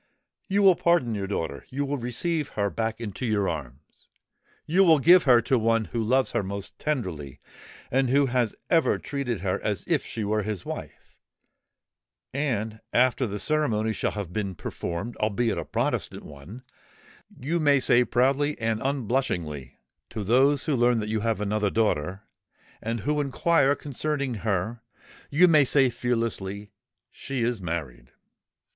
You will pardon your daughter—you will receive her back into your arms,—you will give her to one who loves her most tenderly and who has ever treated her as if she were his wife—and, after the ceremony shall have been performed, albeit a Protestant one, you may say proudly and unblushingly to those who learn that you have another daughter, and who inquire concerning her,—you may say fearlessly, 'She is married!'"